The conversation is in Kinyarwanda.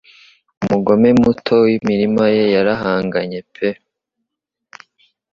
Umugome muto wimirima ye yarahanganye pe